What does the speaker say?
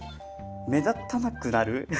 目立たなくなる？